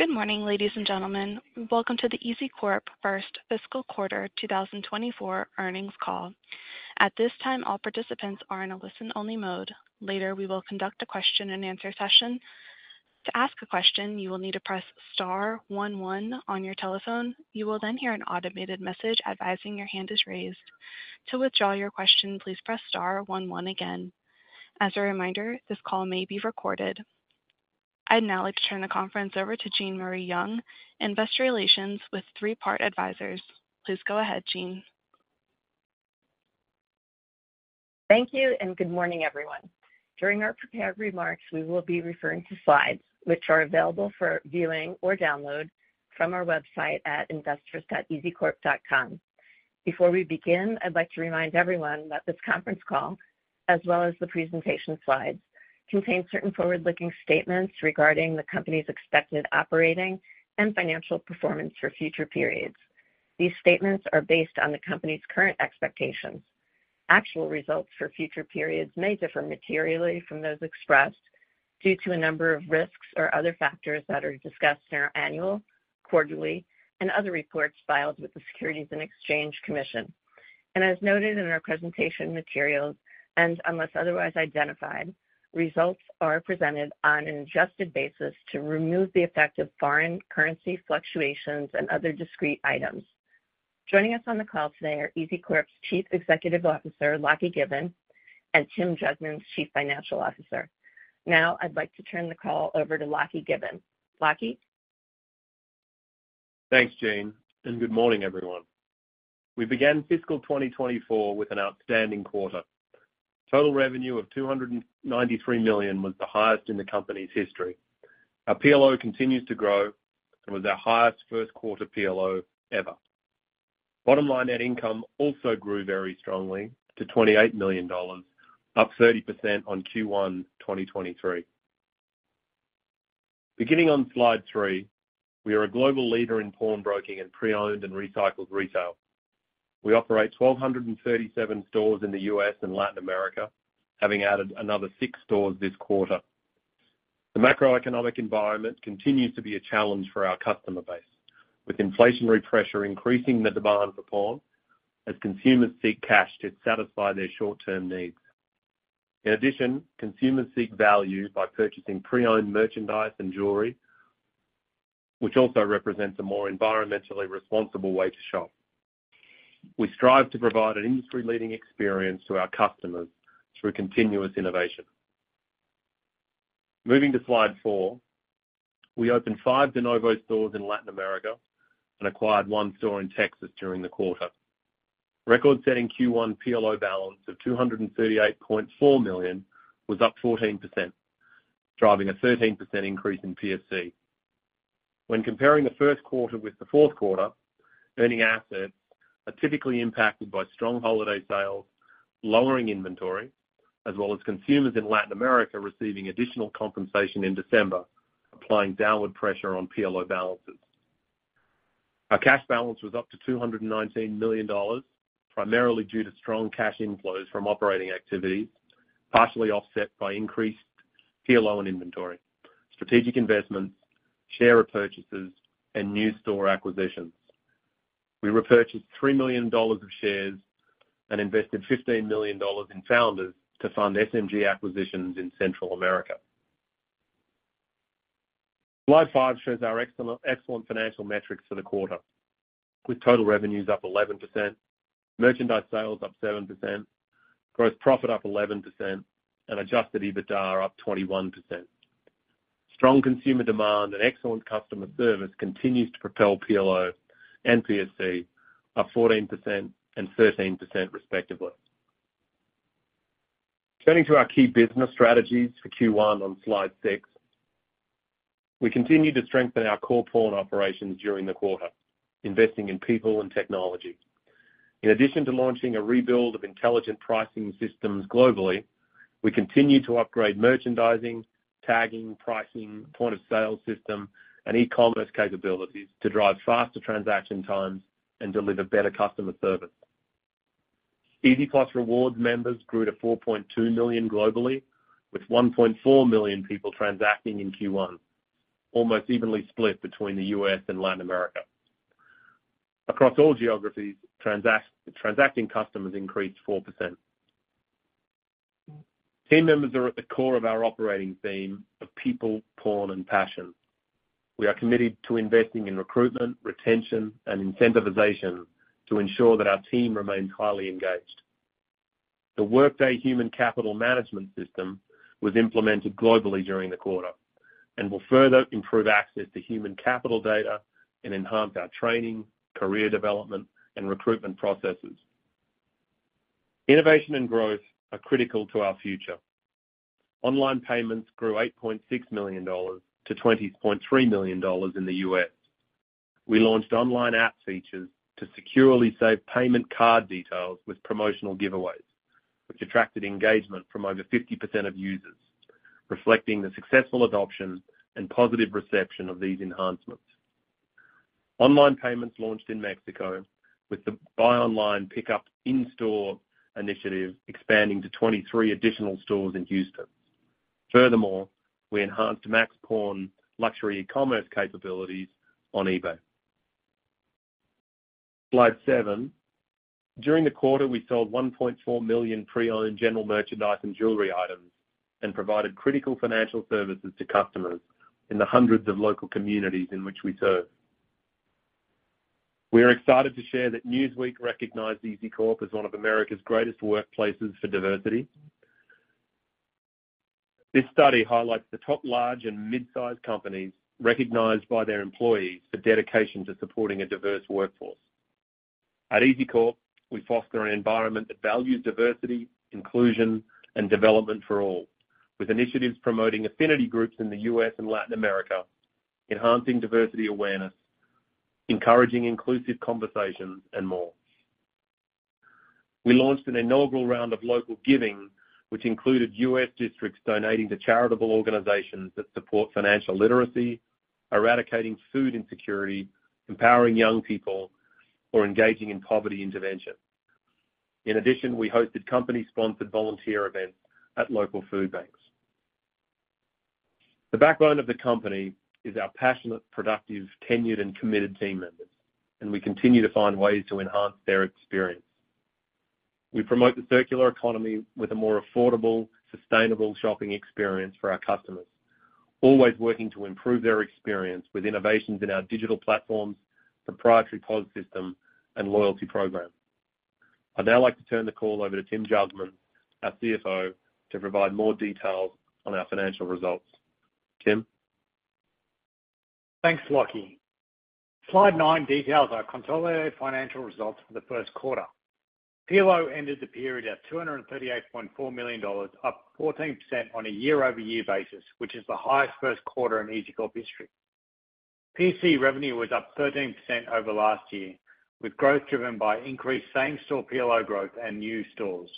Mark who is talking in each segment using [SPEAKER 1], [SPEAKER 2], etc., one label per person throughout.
[SPEAKER 1] Good morning, ladies and gentlemen. Welcome to the EZCORP first fiscal quarter 2024 earnings call. At this time, all participants are in a listen-only mode. Later, we will conduct a question-and-answer session. To ask a question, you will need to press star one one on your telephone. You will then hear an automated message advising your hand is raised. To withdraw your question, please press star one one again. As a reminder, this call may be recorded. I'd now like to turn the conference over to Jean Marie Young, Investor Relations with Three Part Advisors. Please go ahead, Jean.
[SPEAKER 2] Thank you, and good morning, everyone. During our prepared remarks, we will be referring to slides which are available for viewing or download from our website at investors.ezcorp.com. Before we begin, I'd like to remind everyone that this conference call, as well as the presentation slides, contains certain forward-looking statements regarding the company's expected operating and financial performance for future periods. These statements are based on the company's current expectations. Actual results for future periods may differ materially from those expressed due to a number of risks or other factors that are discussed in our annual, quarterly, and other reports filed with the Securities and Exchange Commission. As noted in our presentation materials and unless otherwise identified, results are presented on an adjusted basis to remove the effect of foreign currency fluctuations and other discrete items. Joining us on the call today are EZCORP's Chief Executive Officer, Lachie Given, and Tim Jugmans, Chief Financial Officer. Now, I'd like to turn the call over to Lachie Given. Lachie?
[SPEAKER 3] Thanks, Jean, and good morning, everyone. We began fiscal 2024 with an outstanding quarter. Total revenue of $293 million was the highest in the company's history. Our PLO continues to grow and was our highest first quarter PLO ever. Bottom line net income also grew very strongly to $28 million, up 30% on Q1 2023. Beginning on slide three, we are a global leader in pawnbroking and pre-owned and recycled retail. We operate 1,237 stores in the U.S. and Latin America, having added another 6 stores this quarter. The macroeconomic environment continues to be a challenge for our customer base, with inflationary pressure increasing the demand for pawn as consumers seek cash to satisfy their short-term needs. In addition, consumers seek value by purchasing pre-owned merchandise and jewelry, which also represents a more environmentally responsible way to shop. We strive to provide an industry-leading experience to our customers through continuous innovation. Moving to slide four. We opened five De Novo stores in Latin America and acquired one store in Texas during the quarter. Record-setting Q1 PLO balance of $238.4 million was up 14%, driving a 13% increase in PSC. When comparing the first quarter with the fourth quarter, earning assets are typically impacted by strong holiday sales, lowering inventory, as well as consumers in Latin America receiving additional compensation in December, applying downward pressure on PLO balances. Our cash balance was up to $219 million, primarily due to strong cash inflows from operating activities, partially offset by increased PLO and inventory, strategic investments, share repurchases, and new store acquisitions. We repurchased $3 million of shares and invested $15 million in Founders to fund SMG acquisitions in Central America. Slide five shows our excellent financial metrics for the quarter, with total revenues up 11%, merchandise sales up 7%, gross profit up 11%, and adjusted EBITDA up 21%. Strong consumer demand and excellent customer service continues to propel PLO and PSC up 14% and 13%, respectively. Turning to our key business strategies for Q1 on slide six, we continued to strengthen our core pawn operations during the quarter, investing in people and technology. In addition to launching a rebuild of intelligent pricing systems globally, we continued to upgrade merchandising, tagging, pricing, point-of-sale system, and e-commerce capabilities to drive faster transaction times and deliver better customer service. EZ+ Rewards members grew to 4.2 million globally, with 1.4 million people transacting in Q1, almost evenly split between the U.S. and Latin America. Across all geographies, transacting customers increased 4%. Team members are at the core of our operating theme of people, pawn, and passion. We are committed to investing in recruitment, retention, and incentivization to ensure that our team remains highly engaged. The Workday Human Capital Management system was implemented globally during the quarter and will further improve access to human capital data and enhance our training, career development, and recruitment processes. Innovation and growth are critical to our future. Online payments grew $8.6 million to $20.3 million in the U.S. We launched online app features to securely save payment card details with promotional giveaways, which attracted engagement from over 50% of users, reflecting the successful adoption and positive reception of these enhancements. Online payments launched in Mexico, with the buy online, pickup in-store initiative expanding to 23 additional stores in Houston. Furthermore, we enhanced Max Pawn Luxury e-commerce capabilities on eBay. Slide seven. During the quarter, we sold 1.4 million pre-owned general merchandise and jewelry items, and provided critical financial services to customers in the hundreds of local communities in which we serve. We are excited to share that Newsweek recognized EZCORP as one of America's Greatest Workplaces for Diversity. This study highlights the top large and mid-sized companies recognized by their employees for dedication to supporting a diverse workforce. At EZCORP, we foster an environment that values diversity, inclusion, and development for all, with initiatives promoting affinity groups in the U.S. and Latin America, enhancing diversity awareness, encouraging inclusive conversations, and more. We launched an inaugural round of local giving, which included U.S. districts donating to charitable organizations that support financial literacy, eradicating food insecurity, empowering young people, or engaging in poverty intervention. In addition, we hosted company-sponsored volunteer events at local food banks. The backbone of the company is our passionate, productive, tenured, and committed team members, and we continue to find ways to enhance their experience. We promote the circular economy with a more affordable, sustainable shopping experience for our customers, always working to improve their experience with innovations in our digital platforms, proprietary POS system, and loyalty program. I'd now like to turn the call over to Tim Jugmans, our CFO, to provide more details on our financial results. Tim?
[SPEAKER 4] Thanks, Lachie. Slide nine details our consolidated financial results for the first quarter. PLO ended the period at $238.4 million, up 14% on a year-over-year basis, which is the highest first quarter in EZCORP history. PSC revenue was up 13% over last year, with growth driven by increased same-store PLO growth and new stores.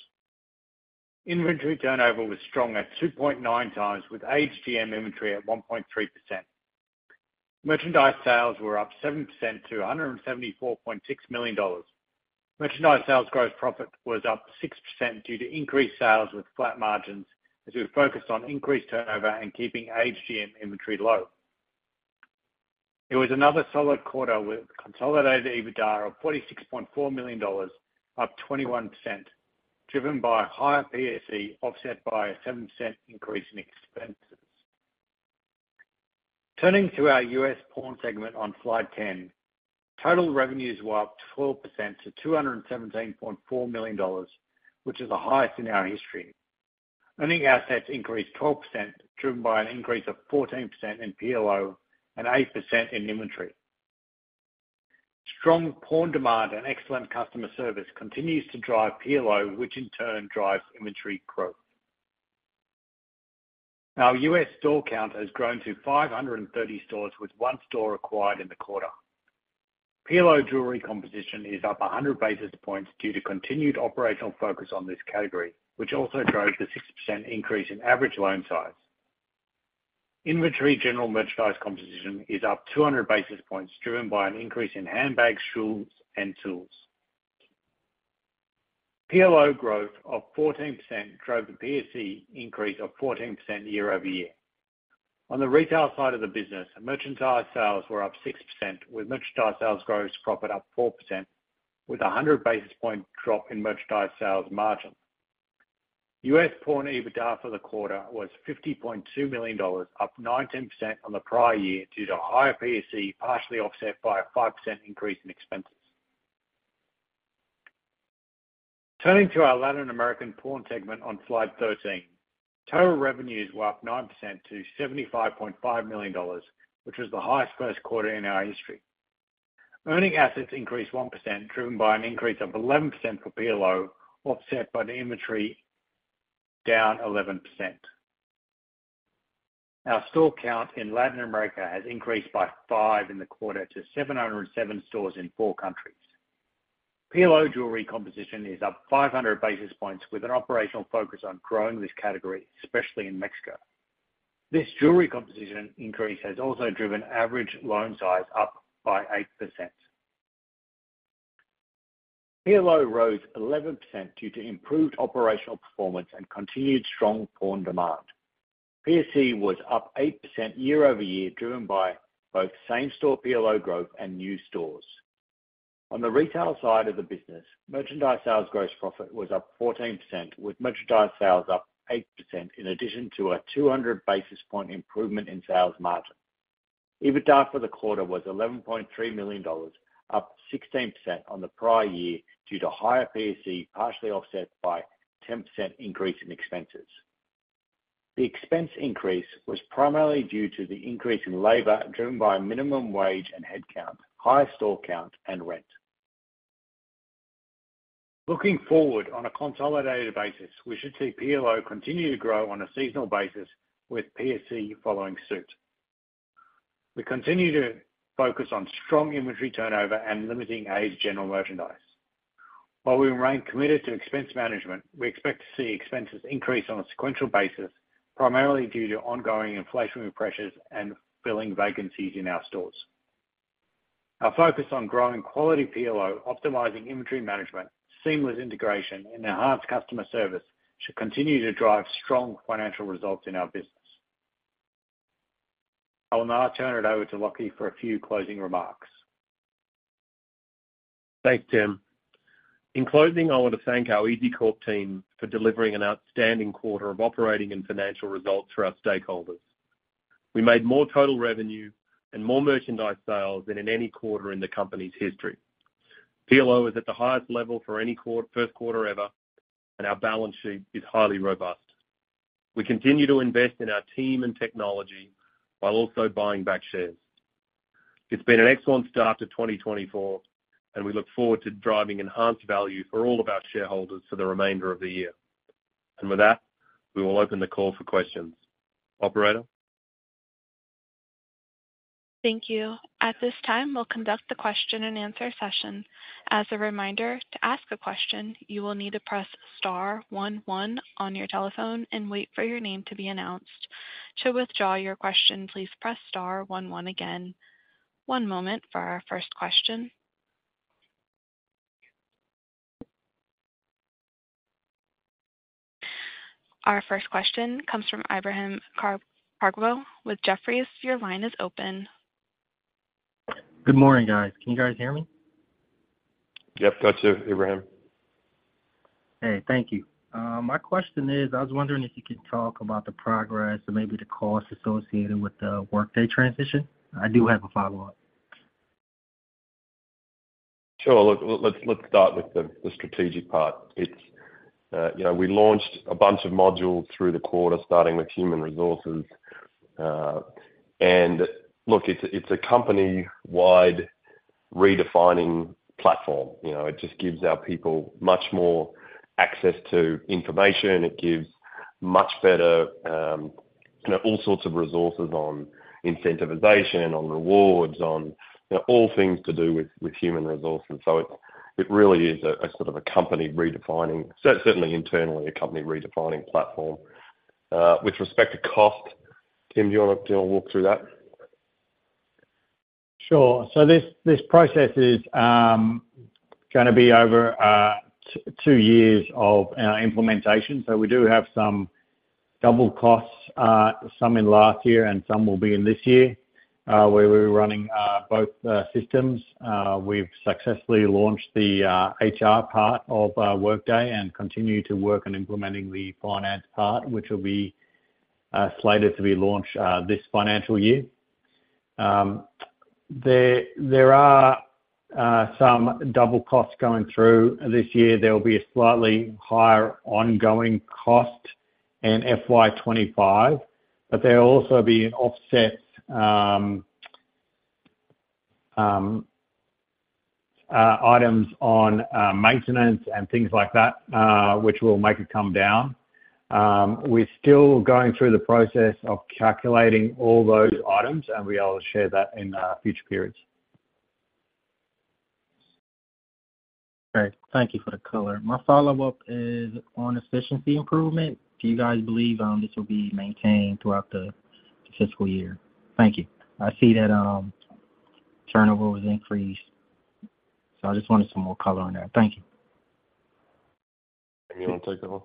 [SPEAKER 4] Inventory turnover was strong at 2.9x, with aged GM inventory at 1.3%. Merchandise sales were up 7% to $174.6 million. Merchandise sales gross profit was up 6% due to increased sales with flat margins, as we focused on increased turnover and keeping aged GM inventory low. It was another solid quarter with consolidated EBITDA of $46.4 million, up 21%, driven by higher PSC, offset by a 7% increase in expenses. Turning to our U.S. pawn segment on slide 10, total revenues were up 12% to $217.4 million, which is the highest in our history. Earning assets increased 12%, driven by an increase of 14% in PLO and 8% in inventory. Strong pawn demand and excellent customer service continues to drive PLO, which in turn drives inventory growth. Our U.S. store count has grown to 530 stores, with one store acquired in the quarter. PLO jewelry composition is up 100 basis points due to continued operational focus on this category, which also drove the 6% increase in average loan size. Inventory general merchandise composition is up 200 basis points, driven by an increase in handbags, shoes, and tools. PLO growth of 14% drove the PSC increase of 14% year-over-year. On the retail side of the business, merchandise sales were up 6%, with merchandise sales gross profit up 4%, with a 100 basis point drop in merchandise sales margin. U.S. pawn EBITDA for the quarter was $50.2 million, up 19% on the prior year due to higher PSC, partially offset by a 5% increase in expenses. Turning to our Latin American pawn segment on slide 13, total revenues were up 9% to $75.5 million, which was the highest first quarter in our history. Earning assets increased 1%, driven by an increase of 11% for PLO, offset by the inventory down 11%. Our store count in Latin America has increased by five in the quarter to 707 stores in four countries. PLO jewelry composition is up 500 basis points, with an operational focus on growing this category, especially in Mexico. This jewelry composition increase has also driven average loan size up by 8%. PLO rose 11% due to improved operational performance and continued strong pawn demand. PSC was up 8% year-over-year, driven by both same-store PLO growth and new stores. On the retail side of the business, merchandise sales gross profit was up 14%, with merchandise sales up 8%, in addition to a 200 basis point improvement in sales margin. EBITDA for the quarter was $11.3 million, up 16% on the prior year due to higher PSC, partially offset by 10% increase in expenses. The expense increase was primarily due to the increase in labor, driven by minimum wage and headcount, higher store count, and rent. Looking forward, on a consolidated basis, we should see PLO continue to grow on a seasonal basis, with PSC following suit. We continue to focus on strong inventory turnover and limiting aged general merchandise.... While we remain committed to expense management, we expect to see expenses increase on a sequential basis, primarily due to ongoing inflationary pressures and filling vacancies in our stores. Our focus on growing quality PLO, optimizing inventory management, seamless integration, and enhanced customer service should continue to drive strong financial results in our business. I will now turn it over to Lachie for a few closing remarks.
[SPEAKER 3] Thanks, Tim. In closing, I want to thank our EZCORP team for delivering an outstanding quarter of operating and financial results for our stakeholders. We made more total revenue and more merchandise sales than in any quarter in the company's history. PLO is at the highest level for any first quarter ever, and our balance sheet is highly robust. We continue to invest in our team and technology while also buying back shares. It's been an excellent start to 2024, and we look forward to driving enhanced value for all of our shareholders for the remainder of the year. And with that, we will open the call for questions. Operator?
[SPEAKER 1] Thank you. At this time, we'll conduct the question-and-answer session. As a reminder, to ask a question, you will need to press star one one on your telephone and wait for your name to be announced. To withdraw your question, please press star one one again. One moment for our first question. Our first question comes from Ibrahim Kargbo with Jefferies. Your line is open.
[SPEAKER 5] Good morning, guys. Can you guys hear me?
[SPEAKER 3] Yep, got you, Ibrahim.
[SPEAKER 5] Hey, thank you. My question is, I was wondering if you could talk about the progress or maybe the costs associated with the Workday transition. I do have a follow-up.
[SPEAKER 3] Sure. Look, let's start with the strategic part. It's, you know, we launched a bunch of modules through the quarter, starting with human resources. And look, it's a company-wide redefining platform. You know, it just gives our people much more access to information. It gives much better, you know, all sorts of resources on incentivization, on rewards, on, you know, all things to do with human resources. So it really is a sort of a company redefining, certainly internally, a company redefining platform. With respect to cost, Tim, do you want to do walk through that?
[SPEAKER 4] Sure. So this process is gonna be over two years of implementation. So we do have some double costs, some in last year and some will be in this year, where we're running both systems. We've successfully launched the HR part of our Workday and continue to work on implementing the finance part, which will be slated to be launched this financial year. There are some double costs going through this year. There will be a slightly higher ongoing cost in FY 2025, but there'll also be offset items on maintenance and things like that, which will make it come down. We're still going through the process of calculating all those items, and we are able to share that in future periods.
[SPEAKER 5] Great. Thank you for the color. My follow-up is on efficiency improvement. Do you guys believe this will be maintained throughout the fiscal year? Thank you. I see that turnover was increased, so I just wanted some more color on that. Thank you.
[SPEAKER 3] You wanna take that one?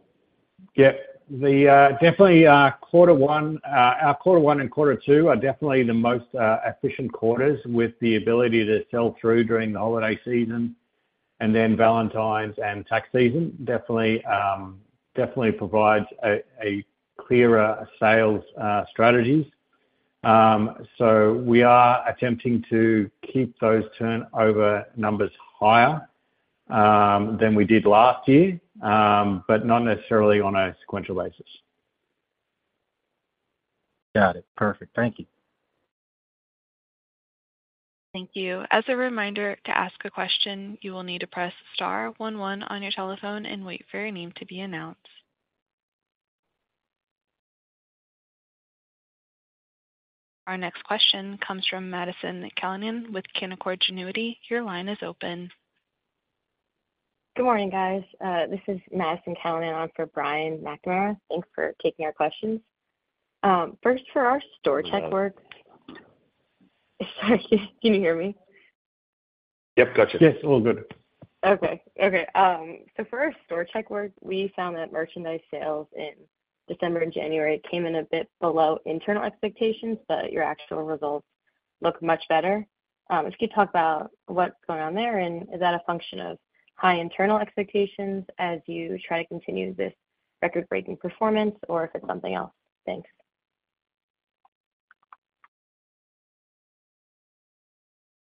[SPEAKER 4] Yeah. Quarter one and quarter two are definitely the most efficient quarters, with the ability to sell through during the holiday season and then Valentine's and tax season. Definitely provides a clearer sales strategies. We are attempting to keep those turnover numbers higher than we did last year, but not necessarily on a sequential basis.
[SPEAKER 5] Got it. Perfect. Thank you.
[SPEAKER 1] Thank you. As a reminder, to ask a question, you will need to press star one one on your telephone and wait for your name to be announced. Our next question comes from Madison Callinan with Canaccord Genuity. Your line is open.
[SPEAKER 6] Good morning, guys. This is Madison Callinan in for Brian Becker. Thanks for taking our questions. First, for our store check. Sorry, can you hear me?
[SPEAKER 3] Yep, got you.
[SPEAKER 4] Yes, all good.
[SPEAKER 6] Okay. Okay, so for our store check work, we found that merchandise sales in December and January came in a bit below internal expectations, but your actual results look much better. If you could talk about what's going on there, and is that a function of high internal expectations as you try to continue this record-breaking performance, or if it's something else? Thanks.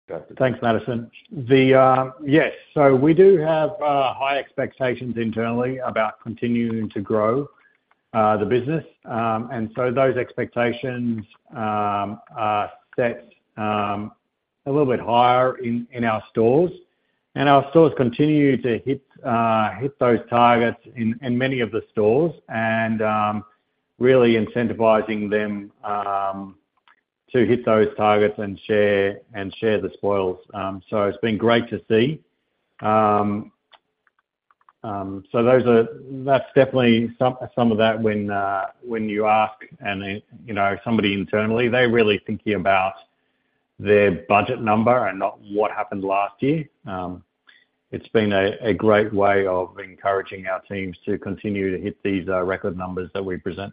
[SPEAKER 3] Gotcha.
[SPEAKER 4] Thanks, Madison. Yes, so we do have high expectations internally about continuing to grow the business. So those expectations are set a little bit higher in our stores. Our stores continue to hit those targets in many of the stores and really incentivizing them to hit those targets and share the spoils. So it's been great to see. That's definitely some of that when you ask and then, you know, somebody internally, they're really thinking about their budget number and not what happened last year. It's been a great way of encouraging our teams to continue to hit these record numbers that we present.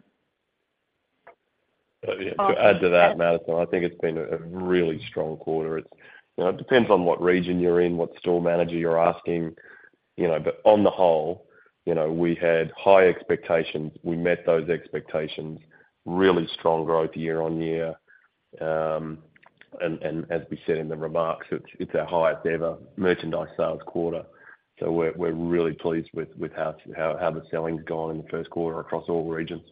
[SPEAKER 3] To add to that, Madison, I think it's been a really strong quarter. It's, you know, it depends on what region you're in, what store manager you're asking, you know. But on the whole, you know, we had high expectations. We met those expectations, really strong growth year-on-year. And as we said in the remarks, it's our highest ever merchandise sales quarter. So we're really pleased with how the selling's gone in the first quarter across all regions.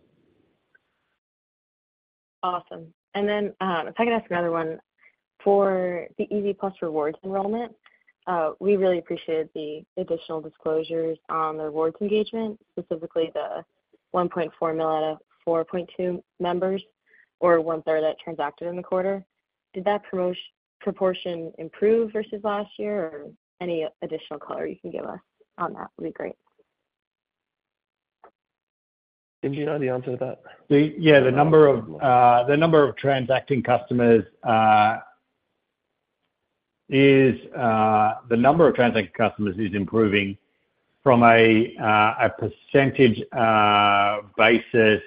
[SPEAKER 6] Awesome. And then, if I could ask another one. For the EZ+ Rewards enrollment, we really appreciated the additional disclosures on the rewards engagement, specifically the 1.4 million out of 4.2 members, or one-third that transacted in the quarter. Did that proportion improve versus last year, or any additional color you can give us on that would be great?
[SPEAKER 3] Did you know the answer to that?
[SPEAKER 4] Yeah, the number of transacting customers is improving from a percentage basis.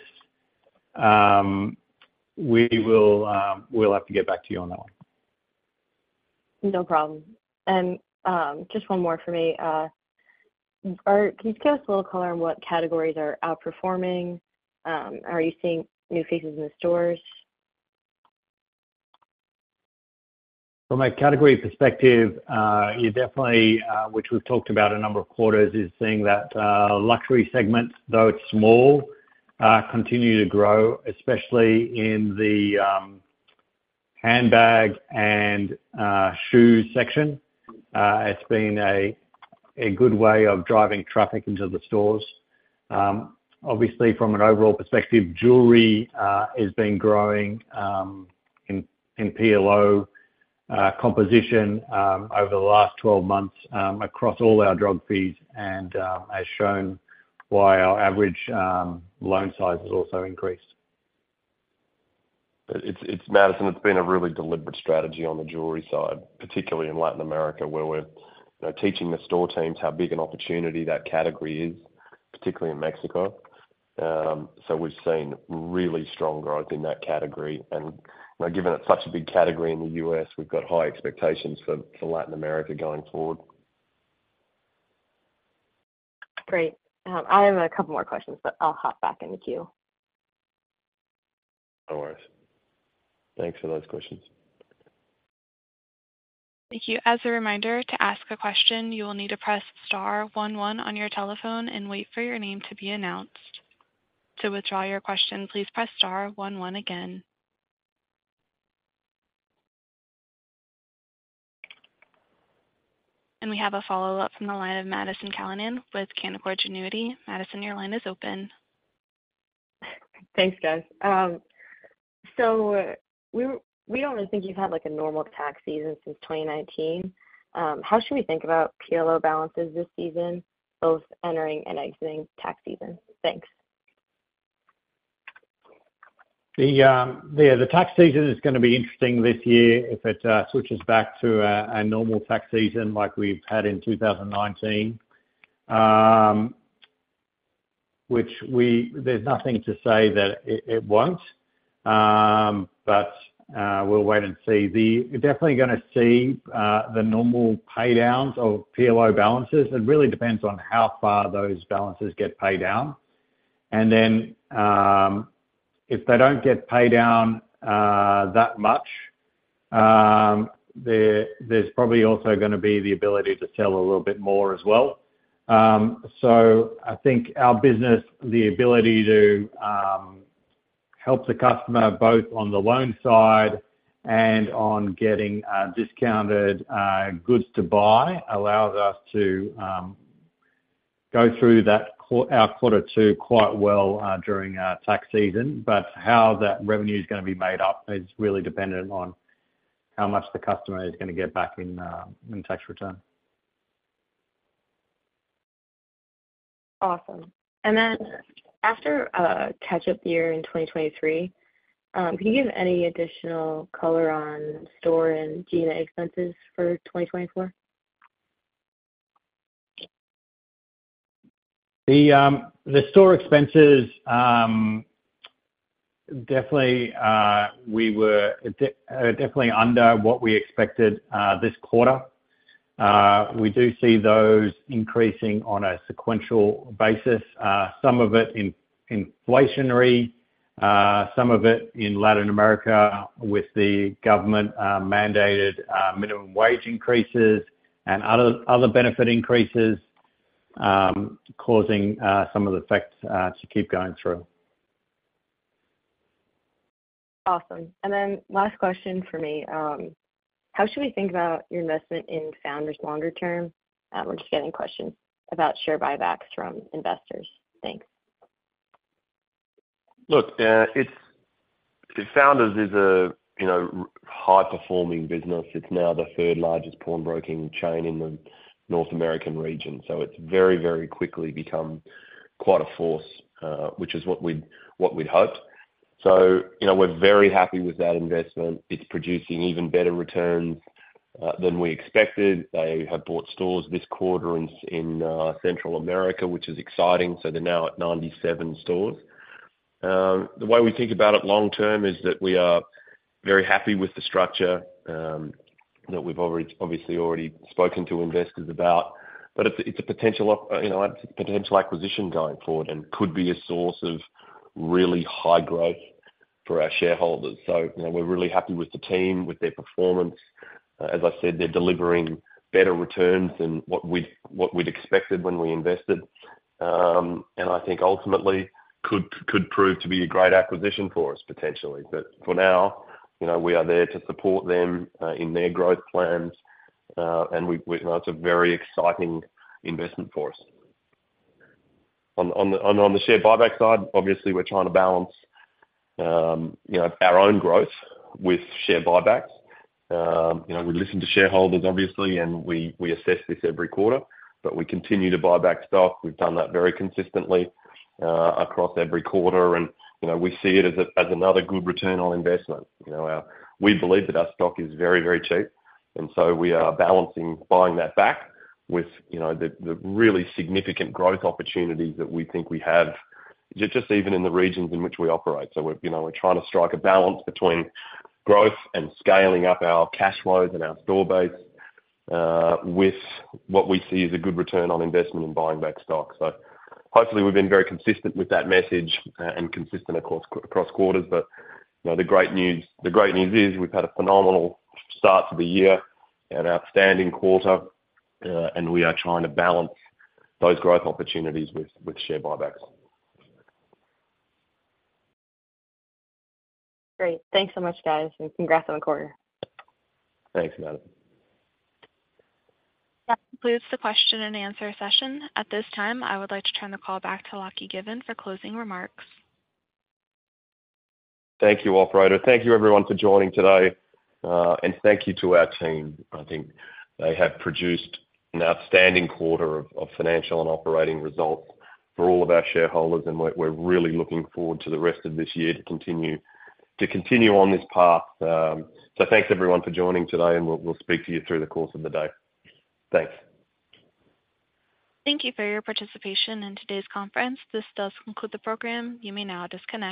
[SPEAKER 4] We will, we'll have to get back to you on that one.
[SPEAKER 6] No problem. Just one more for me. Can you give us a little color on what categories are outperforming? Are you seeing new faces in the stores?
[SPEAKER 4] From a category perspective, you definitely, which we've talked about a number of quarters, is seeing that luxury segment, though it's small, continue to grow, especially in the handbag and shoes section. It's been a good way of driving traffic into the stores. Obviously, from an overall perspective, jewelry has been growing in PLO composition over the last 12 months across all our geographies, and as to why our average loan size has also increased.
[SPEAKER 3] Madison, it's been a really deliberate strategy on the jewelry side, particularly in Latin America, where we're, you know, teaching the store teams how big an opportunity that category is, particularly in Mexico. So we've seen really strong growth in that category. And, you know, given it's such a big category in the U.S., we've got high expectations for Latin America going forward.
[SPEAKER 6] Great. I have a couple more questions, but I'll hop back in the queue.
[SPEAKER 3] No worries. Thanks for those questions.
[SPEAKER 1] Thank you. As a reminder, to ask a question, you will need to press star one one on your telephone and wait for your name to be announced. To withdraw your question, please press star one one again. We have a follow-up from the line of Madison Callinan with Canaccord Genuity. Madison, your line is open.
[SPEAKER 6] Thanks, guys. So we don't really think you've had, like, a normal tax season since 2019. How should we think about PLO balances this season, both entering and exiting tax season? Thanks.
[SPEAKER 4] The, yeah, the tax season is gonna be interesting this year if it switches back to a normal tax season like we've had in 2019. Which there's nothing to say that it won't, but we'll wait and see. You're definitely gonna see the normal pay downs of PLO balances. It really depends on how far those balances get paid down. And then, if they don't get paid down that much, there's probably also gonna be the ability to sell a little bit more as well. So I think our business, the ability to help the customer, both on the loan side and on getting discounted goods to buy, allows us to go through our quarter two quite well during tax season. But how that revenue is gonna be made up is really dependent on how much the customer is gonna get back in, in tax return.
[SPEAKER 6] Awesome. And then after a catch-up year in 2023, can you give any additional color on store and G&A expenses for 2024?
[SPEAKER 4] The store expenses definitely we were definitely under what we expected this quarter. We do see those increasing on a sequential basis, some of it in inflationary, some of it in Latin America, with the government mandated minimum wage increases and other benefit increases causing some of the effects to keep going through.
[SPEAKER 6] Awesome. And then last question for me. How should we think about your investment in Founders longer term? We're just getting questions about share buybacks from investors. Thanks.
[SPEAKER 3] Look, it's Founders is a, you know, high performing business. It's now the third largest pawnbroking chain in the North American region, so it's very, very quickly become quite a force, which is what we'd hoped. So, you know, we're very happy with that investment. It's producing even better returns than we expected. They have bought stores this quarter in Central America, which is exciting. So they're now at 97 stores. The way we think about it long term is that we are very happy with the structure that we've already, obviously already spoken to investors about. But it's a potential, you know, potential acquisition going forward, and could be a source of really high growth for our shareholders. So, you know, we're really happy with the team, with their performance. As I said, they're delivering better returns than what we'd expected when we invested. I think ultimately could prove to be a great acquisition for us, potentially. But for now, you know, we are there to support them in their growth plans. It's a very exciting investment for us. On the share buyback side, obviously, we're trying to balance, you know, our own growth with share buybacks. You know, we listen to shareholders, obviously, and we assess this every quarter, but we continue to buy back stock. We've done that very consistently across every quarter, and, you know, we see it as another good return on investment. You know, we believe that our stock is very, very cheap, and so we are balancing buying that back with, you know, the really significant growth opportunities that we think we have, just even in the regions in which we operate. So we're, you know, we're trying to strike a balance between growth and scaling up our cash flows and our store base, with what we see as a good return on investment in buying back stock. So hopefully, we've been very consistent with that message, and consistent across quarters. But, you know, the great news, the great news is we've had a phenomenal start to the year and outstanding quarter, and we are trying to balance those growth opportunities with share buybacks.
[SPEAKER 6] Great. Thanks so much, guys, and congrats on the quarter.
[SPEAKER 3] Thanks, Madison.
[SPEAKER 1] That concludes the question and answer session. At this time, I would like to turn the call back to Lachie Given for closing remarks.
[SPEAKER 3] Thank you, operator. Thank you, everyone, for joining today. Thank you to our team. I think they have produced an outstanding quarter of financial and operating results for all of our shareholders, and we're really looking forward to the rest of this year to continue on this path. Thanks, everyone, for joining today, and we'll speak to you through the course of the day. Thanks.
[SPEAKER 1] Thank you for your participation in today's conference. This does conclude the program. You may now disconnect.